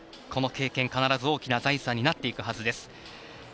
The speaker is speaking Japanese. この経験、変わらず大きな財産になっていくはずです。